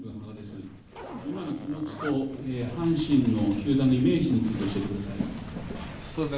今の気持ちと阪神の球団のイメージについて、教えてください。